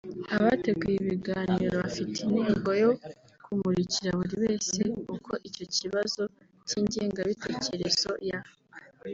abateguye ibi biganiro bafite intego yo kumurikira buri wese uko icyo kibazo cy’ingengabitekerezo ya